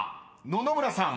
野々村さん